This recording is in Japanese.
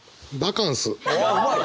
おうまい！